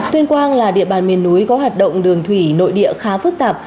tuyên quang là địa bàn miền núi có hoạt động đường thủy nội địa khá phức tạp